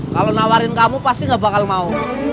kalau nawarin kamu pasti gak bakal mau